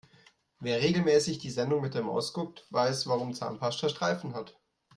Wer regelmäßig die Sendung mit der Maus guckt, weiß warum Zahnpasta Streifen hat.